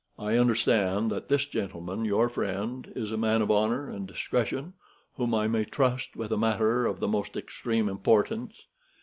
I understand that this gentleman, your friend, is a man of honor and discretion, whom I may trust with a matter of the most extreme importance.